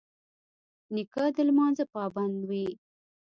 نیکه د لمانځه پابند وي.